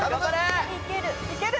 いける。